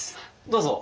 どうぞ。